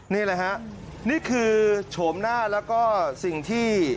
นี่คือโฉมหน้าแล้วก็สิ่งที่